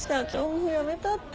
もうやめたって。